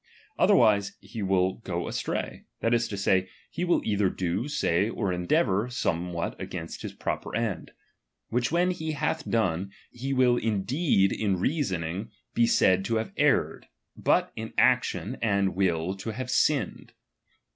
Otherwise lie will go astray, that is to say, he will either do, Wy, or endeavour somewhat against his proper end; which when he hath done, he will indeed in reasoning be said to have erred, but in action and *ill to have sinned.